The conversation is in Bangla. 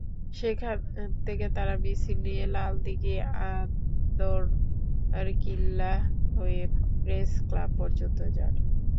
সেখান থেকে তাঁরা মিছিল নিয়ে লালদীঘি, আন্দরকিল্লাহ হয়ে প্রেসক্লাব পর্যন্ত যান।